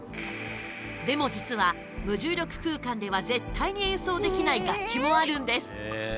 でも実は、無重力空間では絶対に演奏できない楽器もあるんです。